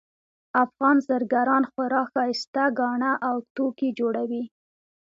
افغان زرګران خورا ښایسته ګاڼه او توکي جوړوي